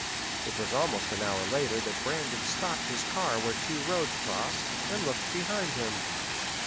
It was almost an hour later that Brandon stopped his car where two roads crossed, and looked behind him.